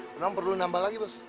memang perlu nambah lagi bos